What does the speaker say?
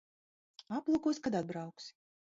Aplūkosi, kad atbrauksi.